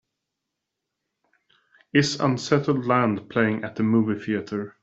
Is Unsettled Land playing at the movie theatre